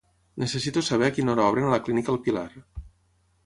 Necessito saber a quina hora obren a la Clínica El Pilar.